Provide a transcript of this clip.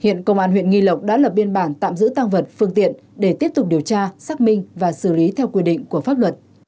hiện công an huyện nghi lộc đã lập biên bản tạm giữ tăng vật phương tiện để tiếp tục điều tra xác minh và xử lý theo quy định của pháp luật